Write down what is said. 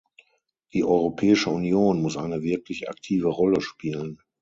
Die Europäische Union muss eine wirklich aktive Rolle spielen.